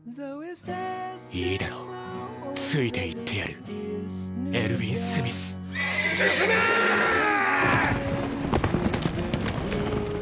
いいだろうついていってやるエルヴィン・スミス進めえええ！！